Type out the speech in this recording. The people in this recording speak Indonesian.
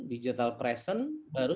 digital present baru setelah itu